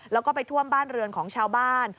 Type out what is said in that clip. แล้วก็ไปท่วมบ้านเรือนของชาวบ้าน